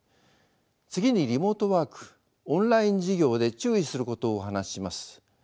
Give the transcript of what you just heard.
次にリモートワークオンライン授業で注意することをお話しします。